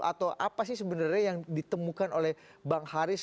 atau apa sih sebenarnya yang ditemukan oleh bang haris